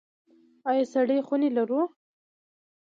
آیا سړې خونې لرو؟